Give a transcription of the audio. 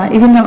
tidak tahu ya